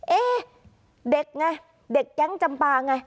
เอ๊ะเด็กไงเด็กแก๊งจำปาไง